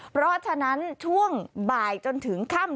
เพราะฉะนั้นช่วงบ่ายจนถึงค่ำ